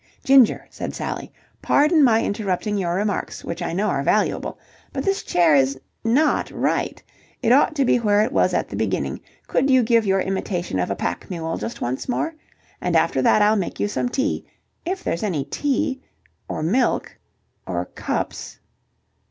"Ginger," said Sally, "pardon my interrupting your remarks, which I know are valuable, but this chair is not right! It ought to be where it was at the beginning. Could you give your imitation of a pack mule just once more? And after that I'll make you some tea. If there's any tea or milk or cups."